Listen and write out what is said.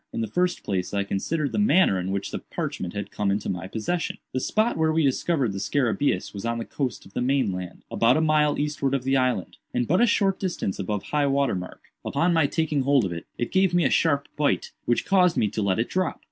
In the first place I considered the manner in which the parchment had come into my possession. The spot where we discovered the scarabæus was on the coast of the main land, about a mile eastward of the island, and but a short distance above high water mark. Upon my taking hold of it, it gave me a sharp bite, which caused me to let it drop.